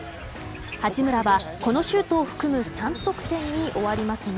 八村はこのシュートを含む３得点に終わりますが